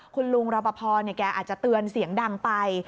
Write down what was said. คุณลุงรอปภแกอาจจะเตือนเสียงดังไป